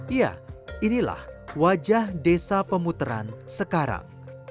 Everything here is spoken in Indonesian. ya inilah wajah desa pemuteraan sekarang